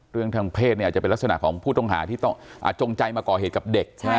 เรื่องทางเพศเนี่ยอาจจะเป็นลักษณะของผู้ต้องหาที่ต้องจงใจมาก่อเหตุกับเด็กใช่ไหม